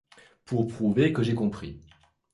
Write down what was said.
Pour prouver que j’ai compris.